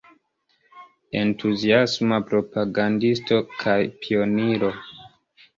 Entuziasma propagandisto kaj pioniro.